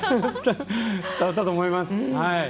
伝わったと思います。